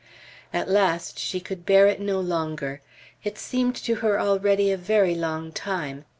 At last she could bear it no longer. It seemed to her already a very long time.